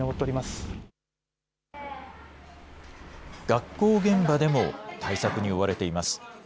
学校現場でも、対策に追われています。